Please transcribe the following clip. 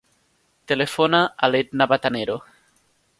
Telefona a l'Edna Batanero.